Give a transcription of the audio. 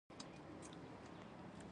د هل دانه د خوشبو لپاره وکاروئ